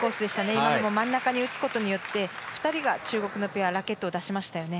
今のも真ん中に打つことによって２人が中国ペアラケットを出しましたよね。